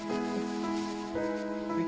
はい。